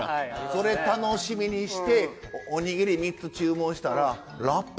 それ楽しみにしておにぎり３つ注文したら「ラップ？」。